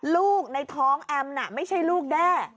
ลูกในท้องแอมน่ะไม่ใช่ลูกแด้